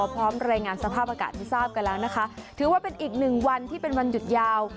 พร้อมรายงานสภาพอากาศให้ทราบกันแล้วนะคะถือว่าเป็นอีกหนึ่งวันที่เป็นวันหยุดยาว